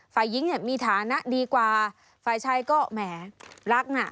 ฝ่ายหญิงเนี่ยมีฐานะดีกว่าฝ่ายชายก็แหมรักน่ะ